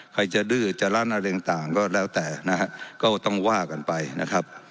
ใครจะลืดจะรันอะไรก็ต้องว่ากันไปนะครับ